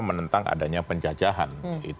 menentang adanya penjajahan